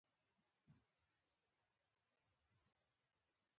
پښتانه اکثریت اولادونه زیږوي مګر حقوق یې نه پر ځای کوي